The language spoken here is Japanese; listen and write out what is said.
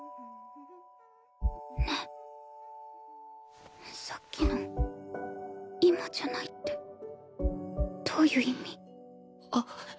ねえさっきの「今じゃない」ってどういう意味？